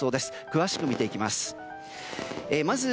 詳しく見ていきます。